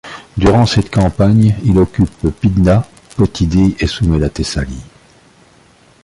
Durant cette campagne, il occupe Pydna, Potidée et soumet la Thessalie.